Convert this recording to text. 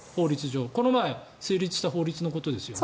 この前成立した法律のことですよね？